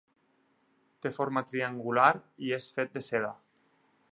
Té forma triangular i és fet de seda.